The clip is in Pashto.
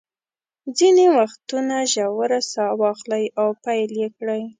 ځینې وختونه ژوره ساه واخلئ او پیل یې کړئ.